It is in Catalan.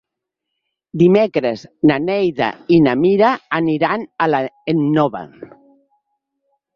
Dimecres na Neida i na Mira aniran a l'Énova.